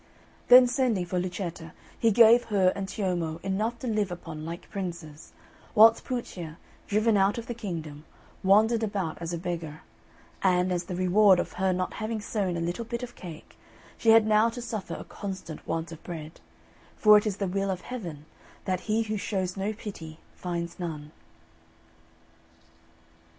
Then sending for Luceta, he gave her and Ciommo enough to live upon like princes; whilst Puccia, driven out of the kingdom, wandered about as a beggar; and, as the reward of her not having sown a little bit of cake, she had now to suffer a constant want of bread; for it is the will of Heaven that "He who shows no pity finds none."